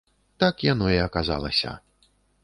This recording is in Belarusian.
Так яно і аказалася.